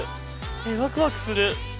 えワクワクする！